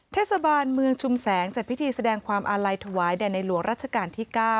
เทศบาลเมืองชุมแสงจัดพิธีแสดงความอาลัยถวายแด่ในหลวงรัชกาลที่๙